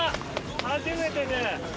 初めてで。